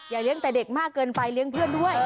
เลี้ยงแต่เด็กมากเกินไปเลี้ยงเพื่อนด้วย